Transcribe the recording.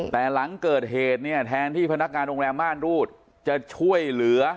แต่หลังเกิดเหตุเนี่ยแทนที่พนักงานโรงแรมม่านรูดจะช่วยเหลือ